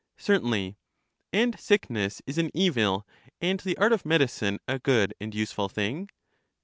Certainly. And sickness is an evil, and the art of medicine a good and useful thing?